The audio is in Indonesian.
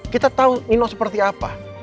kita tahu ino seperti apa